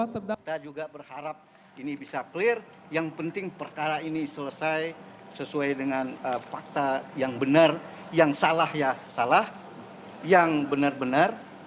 saya juga berharap ini bisa clear yang penting perkara ini selesai sesuai dengan fakta yang benar yang salah ya salah yang benar benar